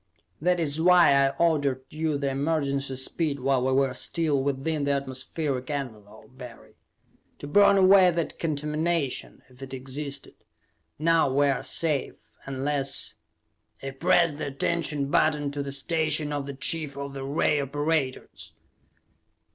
That is why I ordered the emergency speed while we were still within the atmospheric envelope, Barry. To burn away that contamination, if it existed. Now we are safe, unless " I pressed the attention button to the station of the chief of the ray operators.